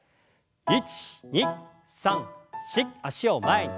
１２３４脚を前に。